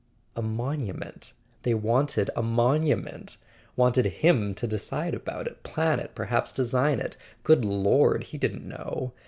A monument—they wanted a monument! Wanted him to decide about it, plan it, perhaps design it— good Lord, he didn't know!